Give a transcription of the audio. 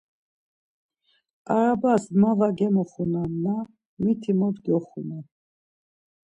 Arabas ma va gemoxunamna miti mot gyoxunam?